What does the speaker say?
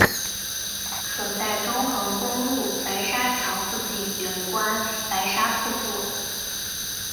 可在中横公路白沙桥附近远观白沙瀑布。